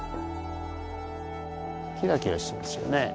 キラキラしてますよね。